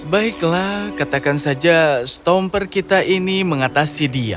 baiklah katakan saja stomper kita ini mengatasi dia